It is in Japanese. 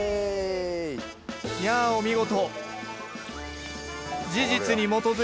やあお見事！